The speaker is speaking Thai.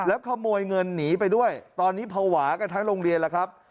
ขโมยเงินหนีไปด้วยตอนนี้ภาวะกันทั้งโรงเรียนแล้วครับ